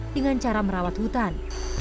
dengan cara merawat hutan